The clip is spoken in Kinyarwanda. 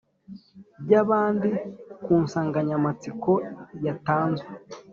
by’abandi ku nsanganyamatsiko yatanzwe